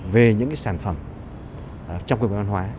về những sản phẩm trong công nghiệp văn hóa